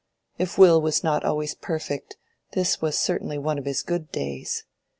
If Will was not always perfect, this was certainly one of his good days.